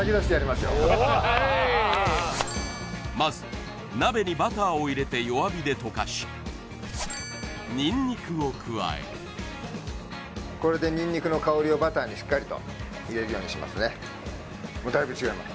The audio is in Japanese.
まず鍋にバターを入れて弱火で溶かしニンニクを加えるこれでニンニクの香りをバターにしっかりと入れるようにしますね